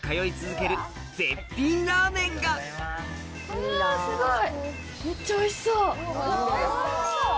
うわすごい！